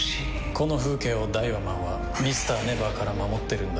この風景をダイワマンはＭｒ．ＮＥＶＥＲから守ってるんだ。